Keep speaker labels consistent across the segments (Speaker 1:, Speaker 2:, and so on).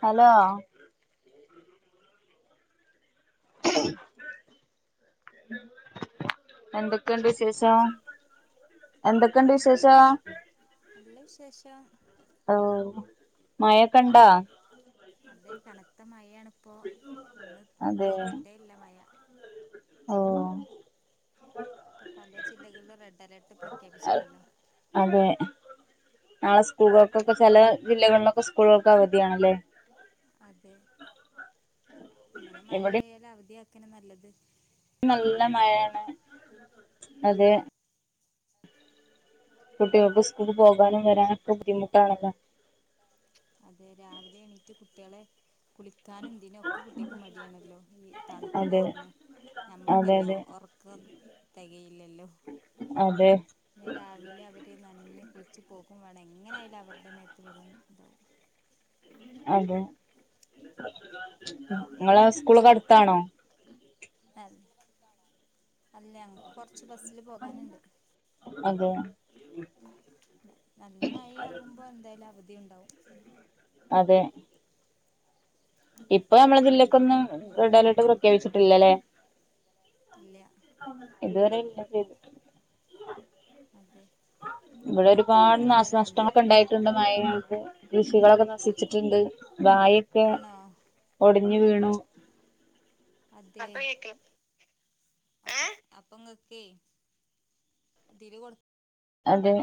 Speaker 1: Hello എന്തൊക്ക് ക്കണ്ട് വിശേഷം
Speaker 2: ഹലോ
Speaker 1: എന്തൊക്കെണ്ട്
Speaker 2: നല്ല
Speaker 1: വിശേഷം
Speaker 2: വിശ് നല്ല വിശേഷം
Speaker 1: ഓ മഴൊക്കെണ്ടോ
Speaker 2: അതെ കനത്ത മഴയാണിപ്പോ ഇന്ന്
Speaker 1: അതെ
Speaker 2: തോർന്നിട്ടേല്ല മഴ
Speaker 1: ഓ
Speaker 2: ഇപ്പൊ പലേ ജില്ലകളിലും റെഡ് അലേർട്ട് പ്രഖ്യാപിച്ച്ണല്ലൊ
Speaker 1: അതെ നാളെ സ് കൂളുകൾക്കൊക്കെ ചെല ജില്ലകളിലക്കെ സ്കൂളുകൾക്ക് അവധിയാണല്ലേ
Speaker 2: [inaudible] ഇങ്ങനെ
Speaker 1: ഇവിടെ
Speaker 2: മഴയാല അവധിയ അങ്ങനെ നല്ലത്
Speaker 1: നല്ല മഴയാണ് അതെ
Speaker 2: [inaudible]
Speaker 1: കുട്ടികൾക്ക് സ്കൂളിൽ പോകാനും വരാനൊക്കെ ബുദ്ധിമുട്ടാണല്ലോ
Speaker 2: അതെ രാവിലെ എണീറ്റ് കുട്ടികളെ കുളിക്കാനും എന്തിനും ഒക്കെ കുട്ടികക്ക് മടിയാണല്ലോ ഈ തണുപ്പ്
Speaker 1: അതെ
Speaker 2: കാരണം ഞമ്മക്ക്
Speaker 1: അതെ
Speaker 2: തന്നെ
Speaker 1: അതെ
Speaker 2: ഉറക്കം തികയില്ലല്ലോ
Speaker 1: അതെ
Speaker 2: പിന്നെ രാവിലെ അവര് നനഞ്ഞ് കു വച്ച് പോക്കും വേണം എങ്ങനെ ആയാലും അവരുടെ മേത്ത് വെള്ളം ഇതാവും
Speaker 1: അതെ
Speaker 2: അപ്പോ
Speaker 1: നിങ്ങളെ സ്കൂളൊക്കെ അടു ത്താണോ
Speaker 2: അല്ല ഞങ്ങക്ക് കൊറച്ച് ബസില് പോകാനുണ്ട്
Speaker 1: അതെ
Speaker 2: നല്ല മഴയാകുമ്പോ എന്തായാലും അവധിയുണ്ടാവും
Speaker 1: അതെ ഇപ്പൊ നമ്മളെ ജില്ലക്കൊന്നും റെഡ് അലേർട്ട് പ്രഖ്യാപിച്ചിട്ടില്ലല്ലേ
Speaker 2: ഇല്ല
Speaker 1: ഇതുവരെ ഇല്ല പെയിതിട്ടും
Speaker 2: അതെ
Speaker 1: ഇവിടെ ഒരുപാട്
Speaker 2: ഇന്നല്ല രണ്ട്
Speaker 1: നാശനഷ്ടങ്ങളൊക്കെ ഉണ്ടായിട്ടുണ്ട് മയ കൃഷികളൊക്കെ ന ശിച്ചിട്ടുണ്ട് വായയൊക്കെ
Speaker 2: ആണോ
Speaker 1: ഒ ടിഞ്ഞ് വീണു
Speaker 2: [unintelligible] അപ്പൊ ഇങ്ങക്കേ [unintelligible]
Speaker 1: അതെ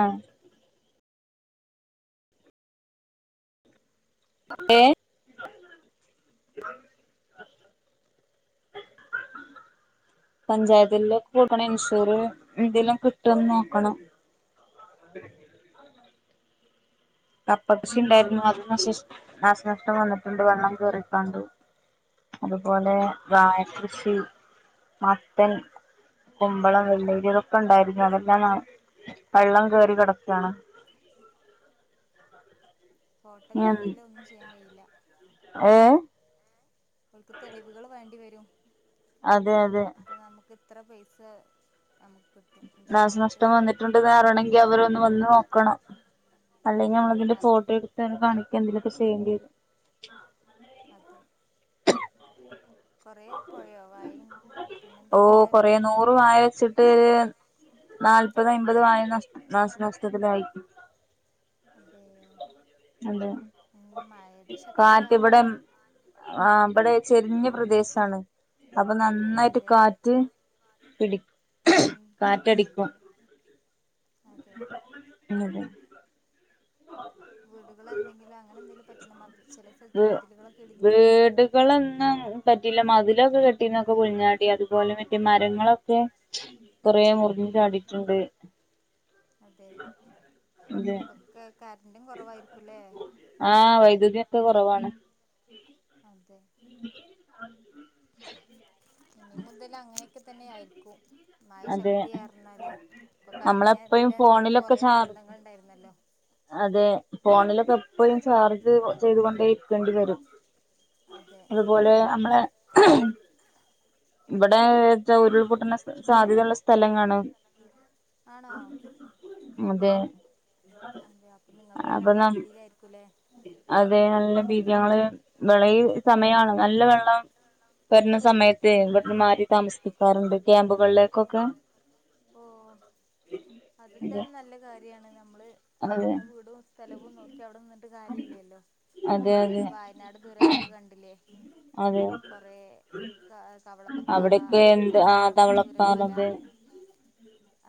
Speaker 1: ആഹ് ഏ പഞ്ചായത്തിലൊക്കെ കൂട്ടണം ഇൻഷൂറ് എന്തെലും കിട്ടോന്ന് നോക്കണം. കപ്പകൃഷി ഇണ്ടായിരുന്നു അത് നശിശ് നാശനഷ്ടം വന്നിട്ടുണ്ട് വെള്ളം കേറിക്കാണ്ട്. അതുപോലെ വാഴ കൃഷി, മത്തൻ, കുമ്പളം വെള്ളരി ഇതൊക്കെ ഉണ്ടായിരുന്നു അതെല്ലാം നാ വെള്ളം കേറി കെടക്കാണ്.
Speaker 2: ഹോട്ടൽല്ലെങ്കിലൊന്നും ചെയ്യാൻ കഴിയില്ല.
Speaker 1: ഏഹ്?
Speaker 2: അവൾക്ക് തെളിവുകൾ വേണ്ടിവരും.
Speaker 1: അതെയതെ.
Speaker 2: എത്ര പൈസ നമുക്ക് കിട്ടും ഇൻഷുറായിട്ട്
Speaker 1: നാഷനഷ്ടം വന്നിട്ടുണ്ട്ന്ന് അറിണങ്കി അവരൊന്ന് വന്ന് നോക്കണം. അല്ലെങ്കി നമ്മളതിന്റെ
Speaker 2: അതെ
Speaker 1: ഫോട്ടോ എടുത്താണ് കാണി ക്കെന്തേലൊക്കെ ചെയ്യേണ്ട്യേരും.
Speaker 2: അതെ. കൊറേ പോയോ വാഴയും പിന്നെ
Speaker 1: ഓ
Speaker 2: എന്തൊക്കെയ
Speaker 1: കൊറേ
Speaker 2: ഉണ്ടായിരുന്നേ
Speaker 1: നൂറ് വായ വെച്ചിട്ട് നാല്പത് അയ്മ്പത് വായ നഷ് നാശനഷ്ടത്തിലായി
Speaker 2: അതെയോ
Speaker 1: അതെ
Speaker 2: മഴേന്റെ ശക്തി
Speaker 1: കാറ്റ് ഇവിടെ
Speaker 2: കാരണാണ്
Speaker 1: ആ ഇവിടെ ചെരിഞ്ഞ പ്രദേശാണ് അപ്പൊ നന്നായിട്ട്
Speaker 2: അതെ
Speaker 1: കാറ്റ് പിടി
Speaker 2: വരും
Speaker 1: കാറ്റടിക്കും
Speaker 2: അതെ അതെ വീടുകളെ എന്തെങ്കിലും അങ്ങനെ എന്തെങ്കിലും പറ്റിണോ മതി ചില സ്ഥലത്ത്
Speaker 1: വ്
Speaker 2: മതിലുകളൊക്കെ ഇടിഞ്ഞു
Speaker 1: പറ്റീല്ല മതിലൊക്കെ കെട്ടിന്നൊക്കെ പൊള്ഞ്ഞാടി അതുപോലെ മറ്റേ മരങ്ങളൊക്കെ കൊറേ മുറിഞ്ഞ് ചാടിട്ട്ണ്ട്
Speaker 2: അതെ ബക്കൊ
Speaker 1: ആ വൈദ്യുതി ഒക്കെ കുറവാണ് ആ
Speaker 2: അതെ
Speaker 1: അ
Speaker 2: ഇനി മുതല് അങ്ങനെ ക്കെ തന്നെയായ്രിക്കു മയ
Speaker 1: അതെ
Speaker 2: ശക്തിയാർന്നാലേ ഇപ്പൊ കഴിഞ്ഞ
Speaker 1: നമ്മളെപ്പഴും
Speaker 2: ഇതിലെന്നെ നമുക്ക്
Speaker 1: ഫോണിലൊക്കെ
Speaker 2: കൊറേ
Speaker 1: ചാർ
Speaker 2: ദുരന്തങ്ങൾ ണ്ടായിര്ന്നല്ലോ
Speaker 1: അതെ ഫോണിലൊക്കെ എപ്പെഴും ചാർജ് ചെയ്ത് കൊണ്ടേ ഇരിക്കെണ്ടി വെരും
Speaker 2: അതെ
Speaker 1: അതുപോലെ അമ്മളെ [inaudible] ഇവിടേച്ചാ ഉരുൾപൊട്ടണ സാധ്യതയള്ള സ്ഥലങ്ങാണ്
Speaker 2: ആണോ
Speaker 1: അതെ
Speaker 2: അതെ അപ്പൊ നിങ്ങൾക്കും
Speaker 1: അപ്പൊ
Speaker 2: നല്ല
Speaker 1: ന
Speaker 2: ഭീതിയിലായിരിക്കുംല്ലേ
Speaker 1: അതെ നല്ല ഭീത്യങ്ങള് പ്രളയ് ഈ സമയാണ് നല്ല വെള്ളം വെര്ന്ന സമയ ത്ത് ഇവട്ന്ന് മാറി താമസിപ്പിക്കാറുണ്ട് ക്യാമ്പുകളിലേക്കൊക്കെ
Speaker 2: ഓ ര്യാണ് ന മ്മള്
Speaker 1: അതെ
Speaker 2: ഞമ്മളെ വീടും സ്ഥലവും നോക്കി അവ്ടെ നിന്ന്ട്ട് കാര്യല്ലല്ലോ പ്പം
Speaker 1: അതെ
Speaker 2: ഞമ്മളെ
Speaker 1: അതെ
Speaker 2: വയനാട് ദുരന്തൊക്കെ കണ്ട്ല്ലേ
Speaker 1: അതെ
Speaker 2: കെറേ കവള പ്പാറ
Speaker 1: അവിടൊക്കെ എന്ത് ആ
Speaker 2: അതൊക്കെ നമ്മ ചുരൽമല
Speaker 1: തവളപ്പാറത്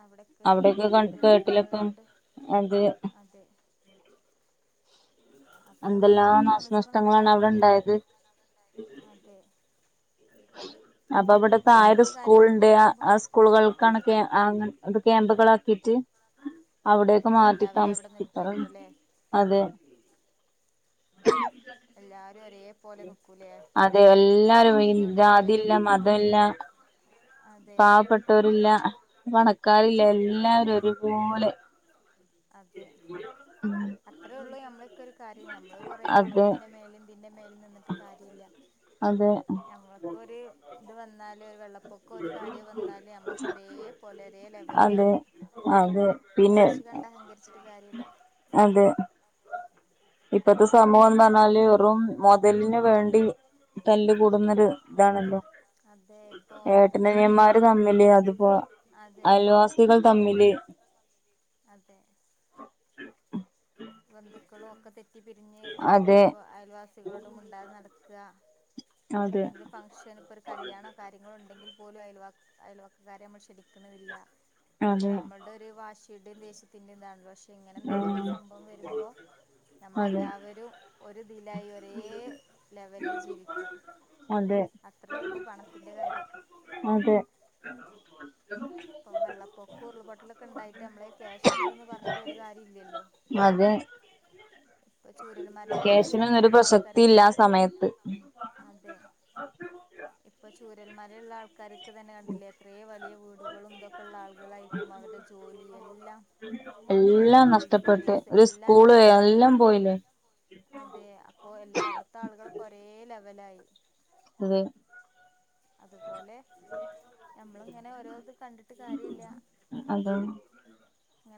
Speaker 2: അവിടെക്കെ
Speaker 1: അവിടെയൊക്കെ ക
Speaker 2: നല്ല ദുരന്തങ്ങൾ
Speaker 1: കേട്ടിലപ്പം
Speaker 2: ള്ളോണ്ട്
Speaker 1: അത്
Speaker 2: അപ്പൊ നമ്മള്
Speaker 1: എന്തെല്ലാം
Speaker 2: മാറി താമസിക്കുന്നത്
Speaker 1: നാശനഷ്ടങ്ങളാണ്
Speaker 2: നല്ലതാണ്
Speaker 1: അവിടെണ്ടായത്
Speaker 2: അതെ
Speaker 1: [inaudible] അപ്പൊ വ്ടെ
Speaker 2: പിന്നെ
Speaker 1: തായെ ഒര്
Speaker 2: ക്യാമ്പും കാര്യങ്ങളൊക്കെ
Speaker 1: സ്കൂള്ണ്ട് അ
Speaker 2: ഉണ്ടാവുമ്പോ
Speaker 1: ആ സ്കൂളുകൾക്കാണെക്കെ അ അത് ക്യാമ്പുകളാക്കിട്ട് അവിടേക്ക്
Speaker 2: അതെ
Speaker 1: മാറ്റി
Speaker 2: എല്ലാവരും അവിടെ
Speaker 1: താമസിപ്പിക്കരം
Speaker 2: നിൽക്കായിരിക്കുംല്ലേ
Speaker 1: അതെ
Speaker 2: എല്ലാരും ഒരേ പോലെ നിക്കൂലേ
Speaker 1: അതെ
Speaker 2: എത്ര
Speaker 1: എല്ലാരും ഇ
Speaker 2: വലിയ വീടുള്ളവരും
Speaker 1: ജാതില്ല മതല്ല
Speaker 2: അതെ
Speaker 1: പാവപ്പെട്ടവരില്ല പണ ക്കാരില്ല എല്ലാവരും ഒരുപോലെ
Speaker 2: അതെ അത്രേ ഉള്ളൂ നമ്മളൊക്കൊരു കാര്യം ഞമ്മള് കൊറേ
Speaker 1: അതെ
Speaker 2: പണത്തിന്റെ മേലി [unintelligible] ന്റെ മേലിൽ നിന്ന്ട്ട് കാര്യല്ല്യാ
Speaker 1: അതെ
Speaker 2: ഞമ്മൾക്കൊരു ഇത് വന്നാ ല് ഒരു വെള്ളപൊക്കും ഒരു കാര്യവും വന്നാല് നമ്മളൊക്കെ ഒരേപോലെ ഒരേ ലെവലിൽ
Speaker 1: അതെ
Speaker 2: ആകും
Speaker 1: അതെ പിന്നെ
Speaker 2: ചിട്ട് കാര്യല്ല
Speaker 1: അതെ ഇപ്പത്തെ സമൂഹം എന്ന് പറഞ്ഞാല് വെറും മൊതലിനുവേണ്ടി തല്ല് കൂടുന്നൊരു ഇതാണല്ലോ
Speaker 2: അതെ ഇപ്പോ
Speaker 1: ഏട്ടനനിയന്മാർ
Speaker 2: മുതലിന്
Speaker 1: തമ്മില് അതിപ്പോ
Speaker 2: അതെ
Speaker 1: അയൽവാസികൾ തമ്മില്
Speaker 2: ബന്ധുക്കൾ ഒക്കെ തെ റ്റി പിരിഞ്ഞ്
Speaker 1: അതെ
Speaker 2: ഇപ്പൊ അയൽവാസികളോടും മുണ്ടാതെ നട ക്കാ
Speaker 1: അതെ
Speaker 2: എന്തെങ്കിലും ഫങ്ഷൻ ഇപ്പൊ ഒരു കല്യാണോ കാര്യങ്ങളോ ഉണ്ടെങ്കിൽ പോലും അയൽവാ അയൽവക്കകാരെ നമ്മൾ ക്ഷണിക്കുന്നതില്ല
Speaker 1: അതെ
Speaker 2: അതൊക്കെ നമ്മൾടെ ഒരു വാശി ദുരുദ്ദേശത്തിന്റേതാണ് ഇങ്ങനെണ്ടെങ്കിലും
Speaker 1: ആഹ്
Speaker 2: സംഭവം വരു അപ്പൊ നമ്മള്
Speaker 1: അതെ
Speaker 2: എല്ലാവരും ഒരു തിലായി ഒരേ ലെവലില് ജീവിക്കും
Speaker 1: അതെ
Speaker 2: അത്രയേ ഉള്ളു പണത്തിന്റെ കാര്യം
Speaker 1: അതെ [inaudible]
Speaker 2: ഇപ്പം വെള്ളപ്പൊക്ക ഉരുൾപൊട്ടലൊക്കെ ഉണ്ടായിട്ട് നമ്മളെല് ക്യാഷ് ഉണ്ട്ന്ന് പറഞ്ഞിട്ട് ഒരു കാര്യം ഇല്ലല്ലോ
Speaker 1: അതെ
Speaker 2: ഇപ്പൊ ചൂരൽ മലയിലന്നെ
Speaker 1: ക്യാഷിനൊന്നും ഒരു
Speaker 2: ഉള്ള
Speaker 1: പ്രസക്തി ഇല്ല
Speaker 2: ആൾക്കാർക്ക്
Speaker 1: ആ സമയത്ത്
Speaker 2: അതെ ഇപ്പൊ ചൂരൽ മലയിൽ ഉള്ള ആൾക്കാർ ക്ക് തന്നെ കണ്ടില്ലേ എത്രയും വലിയ വീ [unintelligible] ആളുകളായിരിക്കും അവൻ്റെ ജോലി എല്ലാം
Speaker 1: എല്ലാം
Speaker 2: ബാങ്ക്
Speaker 1: നഷ്ടപ്പെട്ട്
Speaker 2: സേവിംഗ്സ്
Speaker 1: ഒരു
Speaker 2: എല്ലാം
Speaker 1: സ്കൂള്
Speaker 2: നഷ്ടപ്പെട്ട്
Speaker 1: എല്ലാം പോയില്ലേ
Speaker 2: ലവലായി
Speaker 1: അതെ
Speaker 2: അതുപോലെ ഞമ്മള് ഇങ്ങനെ ഓരോത് കണ്ടിട്ട് കാര്യമില്ല
Speaker 1: അത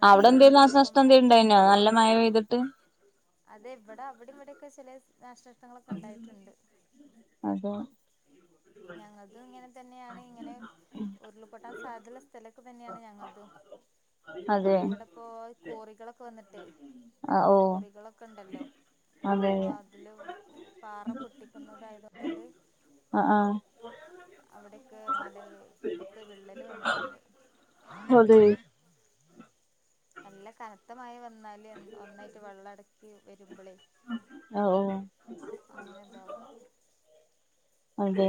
Speaker 1: അവിടെ എന്തേലും നാശനഷ്ടം ഉണ്ടായിന്നോ നല്ല മഴ പെയ്തിട്ട്
Speaker 2: അതെവിടാ അവിടിവിടെ ക്കെ ചില [inaudible] നാശനഷ്ടങ്ങളൊക്കെ ഉണ്ടായിട്ടുണ്ട്.
Speaker 1: അതെ
Speaker 2: ഞങ്ങൾക്കും ഇങ്ങനെതന്നെയാണ് ഇങ്ങനെ ഉരുള്പൊട്ടാസ് അതല [unintelligible] [unintelligible] തന്നെയാണ് ഞങ്ങൾക്കും
Speaker 1: അതെ
Speaker 2: അതിവിടിപ്പോ കോറികളൊക്കെ [unintelligible] വന്നിട്ടേ
Speaker 1: ആ ഓ
Speaker 2: കൊറികളൊക്കെ ഉണ്ടല്ലോ,
Speaker 1: അതെ
Speaker 2: അപ്പൊ അതില് പാറ പൊട്ടിക്കുന്നതായതുകൊണ്ട്
Speaker 1: ആഹ് ആഹ്
Speaker 2: അവിടക്കെ മലകൾക്കൊക്കെ വിള്ളല് വന്നിട്ടുണ്ട്
Speaker 1: അതെ
Speaker 2: നല്ല കനത്തമഴ വന്ന് [unintelligible] ല്ന്നായിട്ട് വെള്ളം എടു
Speaker 1: ഓ ഓ
Speaker 2: അങ്ങനുണ്ടാകുമ്പോ.
Speaker 1: അതെ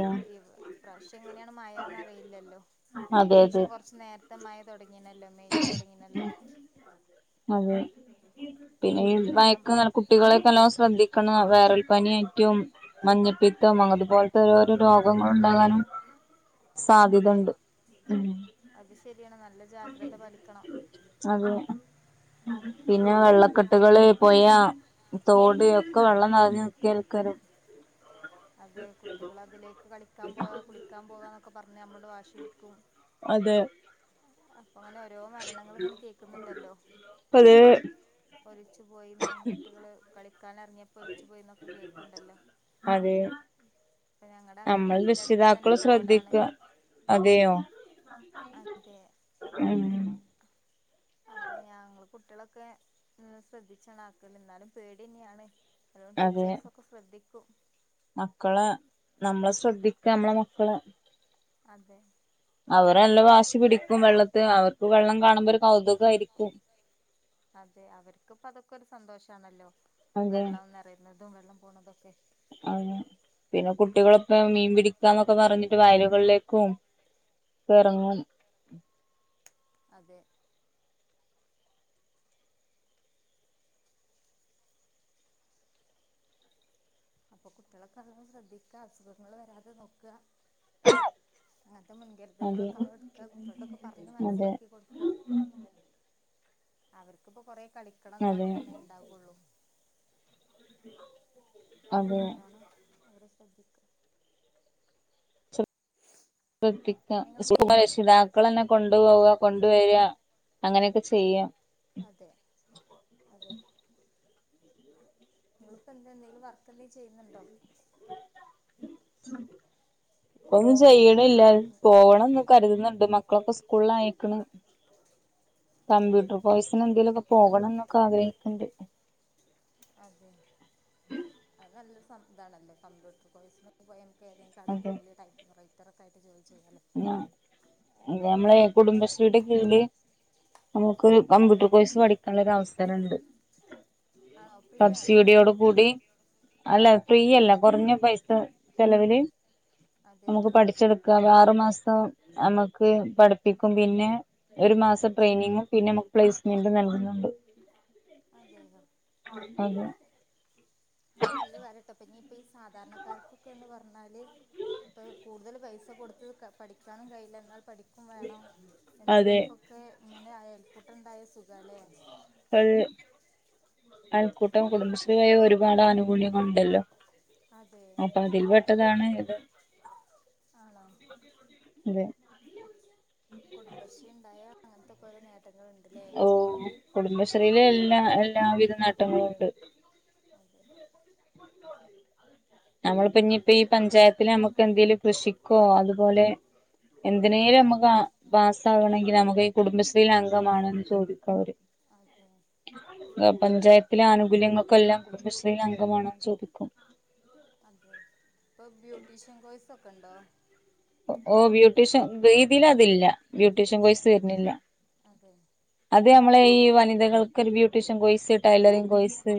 Speaker 2: ഇപ്രാവശ്യം എങ്ങനെയാണ് മഴന്ന് അറിയില്ലല്ലോ ഈ
Speaker 1: അതെ അതെ
Speaker 2: പ്രാവശൃം കൊറച്ചു നേരത്തെ മഴ തുടങ്ങി ഇങ്ങനല്ലോ മെയിൽ തുടങ്ങിയണല്ലോ
Speaker 1: അതെ പിന്നെ ഈ
Speaker 2: എന്തായാലും
Speaker 1: മയക്ക് കുട്ടികളെക്കെല്ലാം ശ്രദ്ധിക്കണം വൈറൽ പനിയറ്റും മഞ്ഞപ്പിത്തം അതുപോലത്തെ ഓരോരോ രോഗങ്ങളു ണ്ടാകാനും
Speaker 2: അതെ അത് ശരിയാണ് നല്ല ജാഗ്രത പാലിക്ക്
Speaker 1: അതെ പിന്നെ വെള്ളക്കെട്ടുകള് പോയ തോട് ഒക്കെ വെള്ളം നിറഞ്ഞു നിൽക്കുകയായിരിക്കും.
Speaker 2: അതെ കുട്ടികൾ അതിലേക്ക് കളിക്കാൻ പോ കുളിക്കാൻ പോകാന്നൊക്കെ പറഞ്ഞാ നമ്മളോട് വാശി പിടിക്കും.
Speaker 1: അതെ
Speaker 2: അ അങ്ങനെ ഓരോ മരണങ്ങൾ ഇങ്ങനെ കേൾക്കുന്നുണ്ടല്ലോ.
Speaker 1: അതെ
Speaker 2: ഒലിച്ചു പോയിന്നും കുട്ടികള് കളി കുളിക്കാൻ ഇറങ്ങിയപ്പോ ഒലിച്ചു പോയിന്നൊക്കെ കേൾക്കുണ്ടല്ലോ
Speaker 1: അതെ നമ്മൾ രക്ഷിതാക്കൾ
Speaker 2: തന്നെ തോടാണ്
Speaker 1: ശ്രദ്ധിക്കുക അതെയോ
Speaker 2: അതെ
Speaker 1: ഉം
Speaker 2: അപ്പൊ ഞങ്ങള് കുട്ടികളൊക്കെ ശ്രദ്ധിച്ചാണ് ആക്കല് എന്നാലും പേടിന്നെയാണ് അതോണ്ട്
Speaker 1: അതെ
Speaker 2: ട്ടീച്ചേഴ്സ് ഒക്കെ ശ്രദ്ധി
Speaker 1: മക്കളെ നമ്മള് ശ്രദ്ധിക്ക നമ്മളെ മക്കളെ.
Speaker 2: അതെ
Speaker 1: അവരെ നല്ലാം വാശി പിടിക്കും വെള്ളത്തി അവർക്ക് വെള്ളം കാണുമ്പോ ഒരു കൗതുകായിരിക്കും
Speaker 2: അതെ അവർക്കിപ്പ അതൊക്കെ ഒരു സന്തോഷാണല്ലോ
Speaker 1: അതെ
Speaker 2: വെള്ളം നിറയുന്നതും വെള്ളം പോണതൊക്കെ
Speaker 1: കുട്ടികളൊപ്പം മീൻ പിടിക്കാന്നൊക്കെ പറഞ്ഞിട്ട് വയലുകളിലേക്കും എറങ്ങും.
Speaker 2: [inaudible] അപ്പൊ കുട്ടിയേളൊക്കെ നല്ലോം ശ്രദ്ധിക്കാ അസുഖങ്ങൾ വരാതെ നോക്കാ അങ്ങനത്തെ
Speaker 1: അതെ
Speaker 2: മുൻകരുതലുകളൊക്കെ എടുക്ക കുട്ടികോട്ടൊക്കെ പറഞ്ഞ്
Speaker 1: അതെ
Speaker 2: മനസ്സിലാക്കി കൊടുക്ക അവർക്കിപ്പൊ കൊറെ കളിക്കണം
Speaker 1: അതെ
Speaker 2: എന്താക്കണം എന്നേ ഉണ്ടാവുള്ളൂ ഞമള്
Speaker 1: അതെ
Speaker 2: നല്ലോണം അവരെ ക്ക
Speaker 1: ശ്രദ്ധിക്ക
Speaker 2: നിങ്ങളെന്തെങ്കിലും
Speaker 1: രക്ഷിതാക്കൾന്നെ കൊണ്ടു പോവ കൊണ്ടുവരിക അങ്ങനെയൊക്കെ ചെയ്യാം
Speaker 2: അതെ അതെ നിങ്ങളിപ്പെന്താ എന്താന്തേലും വർക്കെന്തേലും ചെയ്യുന്നുണ്ടോ
Speaker 1: ഇപ്പൊന്നും ചെയ്യണില്ല പോവണംന്ന് കരുതുന്നുണ്ട് മക്കളൊക്കെ സ്കൂളില് ആയേക്കണ്
Speaker 2: അതെ
Speaker 1: കംമ്പ്യൂട്ടർ കോഴ്സിന് എന്തേലും പോകണം എന്നൊക്കെ ആഗ്രഹിക്കണ്ട്
Speaker 2: അതെ അത് നല്ലൊരു സം ഇതാണല്ലേ കമ്പ്യൂട്ടർ കോഴ്സിന് പോയാൽ ഏതങ്കിലും കടകളില് ടൈപ്പിങ്ങ് റൈ ഇത്രക്കായിട്ട് ജോലി ചെയ്യാം
Speaker 1: ന നമ്മളെ കുടുംബശ്രീയുടെ കീഴ്‌ല് നമു
Speaker 2: അതെ
Speaker 1: ക്ക്കമ്പ്യൂട്ടർ കോഴ്സ് പഠിക്കാള്ള ഒരവസ [unintelligible]
Speaker 2: അവസരം ആണോ ഫ്രീ ആണോ
Speaker 1: സബ്സിഡിയോട് കൂടി അല്ല
Speaker 2: അതെ
Speaker 1: ഫ്രീയല്ല കൊറഞ്ഞ പൈസ ചെലവില്
Speaker 2: അതെ
Speaker 1: നമുക്ക്
Speaker 2: അതെ
Speaker 1: പഠിച്ചെടുക്കാം [unintelligible] മാസം നമ്മക്ക് പഠിപ്പിക്കും പിന്നെ ഒരു മാസം ട്രയിനിങ്ങും പിന്നെ നമുക്ക് പ്ലെസ്മെന്റും നൽകുന്നുണ്ട്
Speaker 2: അതെയൊ
Speaker 1: അതെ
Speaker 2: അത് നല്ല കാര്യട്ടൊ അപ്പഞ്ഞി ഇപ്പൊ ഈ സാധാരണക്കാർക്കൊക്കെന്ന് പറഞ്ഞാല് ഇപ്പ കൂടുതല് പൈസ കൊടുത്ത് പഠിക്കാനും കഴിയില്ല എന്നാൽ പഠി ക്കും വേണം
Speaker 1: അതെ
Speaker 2: എന്നുള്ളവർക്കൊക്കെ ഇങ്ങനെ ആയാൽ പുട്ടുണ്ടായ സുഖാല്ലേ
Speaker 1: ൾ അയൽക്കൂട്ടം കുടുംബശ്രീ വഴി ഒരുപാട് ആനുകൂല്യങ്ങളുണ്ടല്ലോ
Speaker 2: അതെ
Speaker 1: അപ്പൊ അതിൽ പെട്ടതാണ് ഇത്
Speaker 2: ആണോ
Speaker 1: അതെ
Speaker 2: കുടുംബശ്രീ ഉണ്ടായാ അങ്ങനത്തൊക്കെ ഒരൊ [unintelligible]
Speaker 1: ഓ കുടുംബശ്രീയിലെ എല്ലാ
Speaker 2: നമുക്കൊരിതുണ്ടാവും
Speaker 1: എല്ലാവിധ നേട്ടങ്ങളും ഉണ്ട്
Speaker 2: അതെ
Speaker 1: നമ്മളിപ്പോ ഇനിയിപ്പ ഈ പഞ്ചായത്തില് നമുക്ക് എന്തേലും കൃഷിക്കോ അതുപോലെ എന്തിനേലും നമ്മുക്ക് പാസ്സ് ആകണമെങ്കിൽ നമുക്ക് ഈ കുടുംബശ്രീയിലെ അംഗമാണോന്ന് ചോദിക്കും അവര്.
Speaker 2: അതെ
Speaker 1: ആഹ് പഞ്ചായത്ത് ത്തിലെ ആനുകൂല്യങ്ങൾക്കെല്ലാം കൂടുംബശ്രീ അംഗമാണോന്ന് ചോദിക്കും.
Speaker 2: അതെ ഇപ്പോ ബ്യൂട്ടീഷ്യൻ കോഴ്സൊക്കെണ്ടോ?
Speaker 1: ഓഹ് ബ്യൂട്ടീഷ്യൻ ഇതിൽ അതില്ല. ബ്യൂട്ടീഷ്യൻ
Speaker 2: ഏ
Speaker 1: കോഴ്സ് വരുന്നില്ല.
Speaker 2: അതെ.
Speaker 1: അതെ നമ്മളെ ഈ വനിതകൾക്ക് ഒരു beautician course tailoring course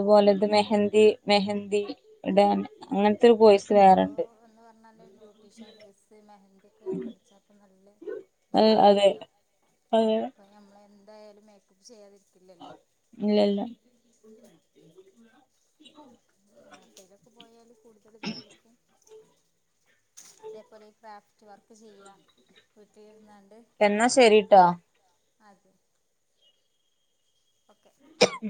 Speaker 2: അങ്ങനെ ഉണ്ടല്ലേ
Speaker 1: മെഹന്തി മെഹന്തി ഇടാൻ
Speaker 2: അതെ
Speaker 1: അങ്ങനത്തെ ഒരു കോഴ്സ്
Speaker 2: ഇപ്പോ
Speaker 1: വേറെണ്ട്
Speaker 2: എന്ന് പറഞ്ഞാല് ബ്യൂട്ടീഷ്യൻ കോഴ്സ് മെഹന്തി ക്ക് പഠിച്ചാപ്പോ നല്ല
Speaker 1: അതെ
Speaker 2: ജോലിയണല്ലോ
Speaker 1: അതെ
Speaker 2: ഇപ്പ ഞമ്മളെ എന്തായാലും മേക്കപ്പ് ചെയ്യാതി
Speaker 1: ഇല്ലില്ല.
Speaker 2: അങ്ങനത്തേയിലൊക്കെ പോയാല് കൂടുതൽ ഇതായിരിക്കും ഇതേപോലെ ക്രാഫ്റ്റ് വർക്ക് ചെയ്യാം വീട്ടില് ഇര്ന്നാണ്ട്
Speaker 1: എന്നാ ശരിട്ടോ
Speaker 2: അതെ ഓക്കെ
Speaker 1: ഉം